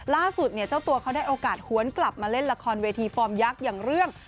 ล่าสุดเนี่ยเจ้าตัวเขาได้โอกาสหวนกลับมาเล่นละครเวทีฟอร์มยักษ์อย่างเรื่อง